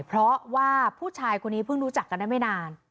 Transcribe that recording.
เพราะว่าผู้ชายคนนี้เพิ่งรู้จักกันได้ไม่นาน